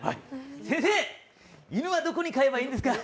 先生、犬はどこに飼えばいいんですか？